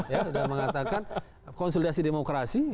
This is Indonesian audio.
sudah mengatakan konsuliasi demokrasi